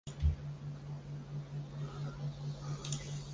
全蒙古劳动党是蒙古国的一个政党。